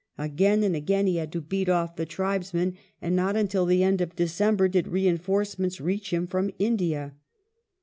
Again and again he had to beat off the tribesmen, and not until the end of December did reinforcements reach him from India.